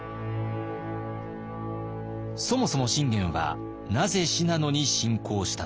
そもそも信玄はなぜ信濃に侵攻したのか。